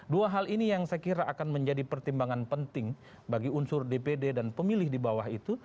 dua hal ini yang saya kira akan menjadi pertimbangan penting bagi unsur dpd dan pemilih di bawah itu